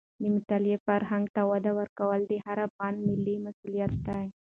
د مطالعې فرهنګ ته وده ورکول د هر افغان ملي مسوولیت دی.